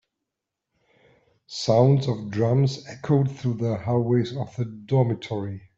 Sounds of drums echoed through the hallways of the dormitory.